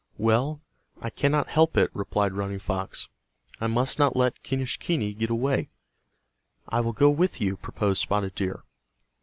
"Well, I cannot help it," replied Running Fox. "I must not let Quenischquney get away." "I will go with you," proposed Spotted Deer.